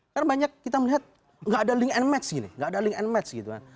karena banyak kita melihat nggak ada link and match gitu